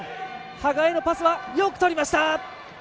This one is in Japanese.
羽賀へのパスは、よくとりました。